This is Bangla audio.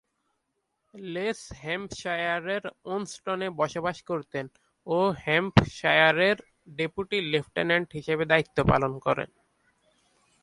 লেচ হ্যাম্পশায়ারের ওন্সটনে বসবাস করতেন ও হ্যাম্পশায়ারের ডেপুটি লেফটেন্যান্ট হিসেবে দায়িত্ব পালন করেন।